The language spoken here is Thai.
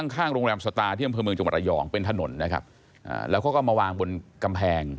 นั่นสิครับนี่ค่ะ